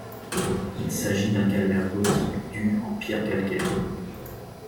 Il s'agit d'un calvaire gothique du en pierre calcaire.